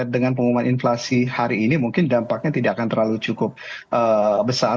dengan pengumuman inflasi hari ini mungkin dampaknya tidak akan terlalu cukup besar